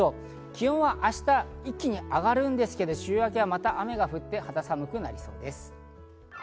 気温は明日、一気に上がるんですけど、週明けはまた雨が降って肌寒くなりそうです。